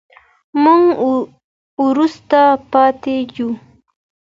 موږ وروسته پاتې يو.